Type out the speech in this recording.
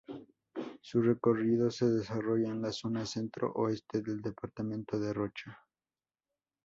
Su recorrido se desarrolla en la zona centro-oeste del departamento de Rocha.